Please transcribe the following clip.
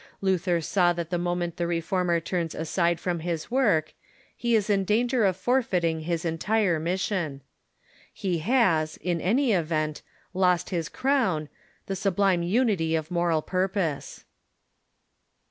Luther saw that the mo ment the Reformer turns aside from his work he is in danger of forfeiting his entire mission. He has, in any event, lost his crown — the sublime unity of moral purpose.